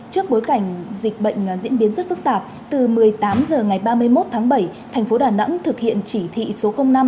trước bối cảnh dịch bệnh diễn biến rất phức tạp từ một mươi tám h ngày ba mươi một tháng bảy thành phố đà nẵng thực hiện chỉ thị số năm